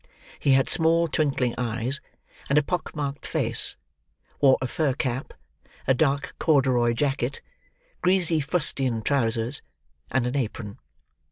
He had small twinkling eyes, and a pock marked face; wore a fur cap, a dark corduroy jacket, greasy fustian trousers, and an apron.